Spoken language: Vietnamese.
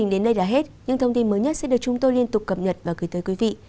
đến đây là hết những thông tin mới nhất sẽ được chúng tôi liên tục cập nhật và gửi tới quý vị